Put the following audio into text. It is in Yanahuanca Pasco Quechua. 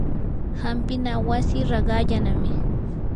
hampina wasi raqallanami.